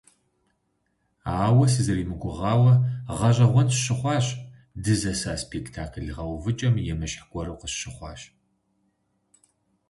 Ауэ, сэзэримыгугъауэ, гъэщӏэгъуэн сщыхъуащ, дызэса спектакль гъэувыкӏэм емыщхь гуэру къысщыхъуащ.